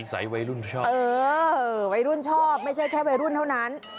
ใสวัยรุ่นชอบเออวัยรุ่นชอบไม่ใช่แค่วัยรุ่นเท่านั้น